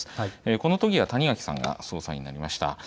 このときは谷垣さんが総裁になりました。